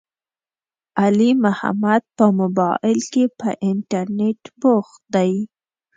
علي محمد په مبائل کې، په انترنيت بوخت دی.